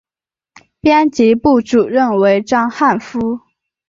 编辑部主任为章汉夫。